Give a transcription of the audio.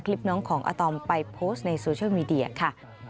คลิปน้องของอาตอมไปโพสต์ในโซเชียลมีเดียค่ะ